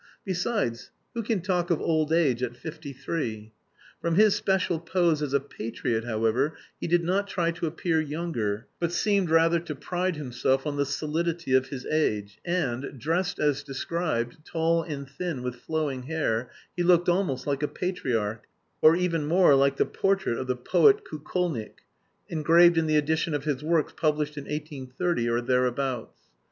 Besides, who can talk of old age at fifty three? From his special pose as a patriot, however, he did not try to appear younger, but seemed rather to pride himself on the solidity of his age, and, dressed as described, tall and thin with flowing hair, he looked almost like a patriarch, or even more like the portrait of the poet Kukolnik, engraved in the edition of his works published in 1830 or thereabouts.